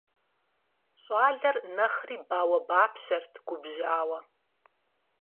Щӏалэр нэхъри бауэбапщэрт губжьауэ.